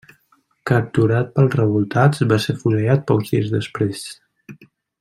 Capturat pels revoltats, va ser afusellat pocs dies després.